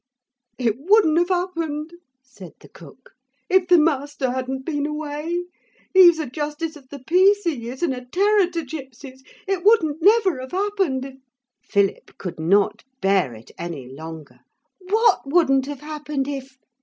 'It wouldn't have happened,' said the cook, 'if the master hadn't been away. He's a Justice of the Peace, he is, and a terror to gipsies. It wouldn't never have happened if ' Philip could not bear it any longer. 'What wouldn't have happened if?'